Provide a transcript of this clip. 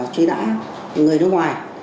chuyên đả người nước ngoài